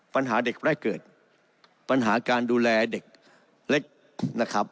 ปัญหาเด็กแรกเกิดปัญหาการดูแลเด็กเล็กนะครับ